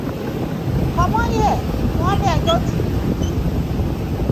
Comot here yu won mek I go thief?